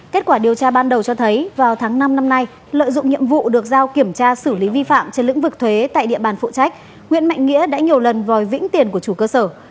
kết quả điều tra ban đầu cho thấy vào tháng năm năm nay lợi dụng nhiệm vụ được giao kiểm tra xử lý vi phạm trên lĩnh vực thuế tại địa bàn phụ trách nguyễn mạnh nghĩa đã nhiều lần vòi vĩnh tiền của chủ cơ sở